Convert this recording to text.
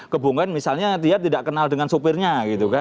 kebongan misalnya dia tidak kenal dengan sopirnya gitu kan